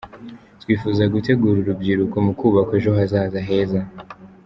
Twifuza gutegura urubyiruko mu kubaka ejo hazaza heza.